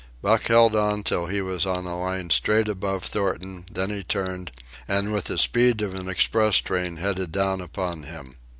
Buck held on till he was on a line straight above Thornton; then he turned, and with the speed of an express train headed down upon him.